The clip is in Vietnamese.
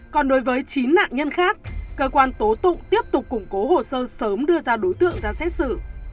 còn đối với chín nạn nhân khác cơ quan tố tụng tiếp tục củng cố hồ sơ sớm đưa ra đối tượng ra xét xử